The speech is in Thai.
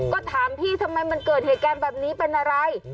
ก็ถามพี่ทำไมมันเกิดเหตุการณ์แบบนี้เป็นอะไร